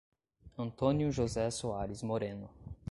Antônio José Soares Moreno